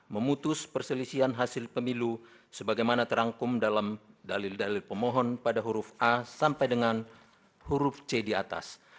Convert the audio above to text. memutus perselisihan hasil pemilu sebagaimana terangkum dalam dalil dalil pemohon pada huruf a sampai dengan huruf c di atas